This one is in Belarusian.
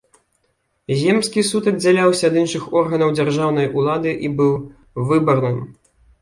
Земскі суд аддзяляўся ад іншых органаў дзяржаўнай улады і быў выбарным.